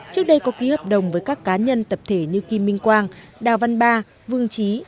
trước đây có ký hợp đồng với các cá nhân tập thể như kim minh quang đào văn ba vương trí